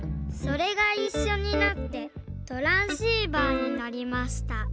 それがいっしょになってトランシーバーになりました。